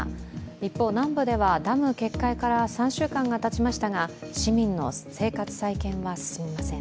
一方、南部ではダム決壊から３週間がたちましたが市民の生活再建は進みません。